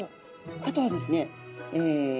あとはですねえ